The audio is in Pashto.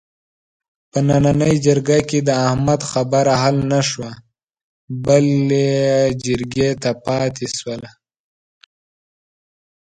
په نننۍ جرګه کې د احمد خبره حل نشوه، بلې جرګې ته پاتې شوله.